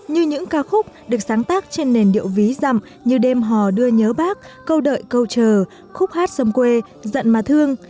như những ca khúc được sáng tác trên nền điệu ví dặm như đêm hò đưa nhớ bác câu đợi câu chờ khúc hát sông quê dận mà thương